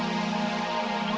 ini emak bukan re rek